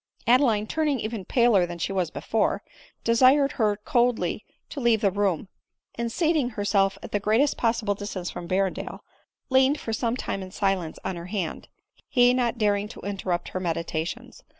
Adeline, turning even paler than she was before, de sired her coldly to leave the room ; and, seating herself 18* 206 ADELINE MOWBRAY. at the greatest possible distance from Berrendale, leaned for some time in silence on her hand — he not daring to interrupt her meditations.